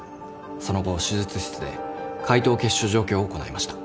その後手術室で開頭血腫除去を行いました。